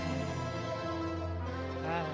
ああ